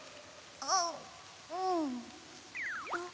あっうん。